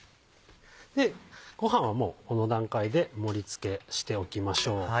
ごはんはもうこの段階で盛り付けしておきましょう。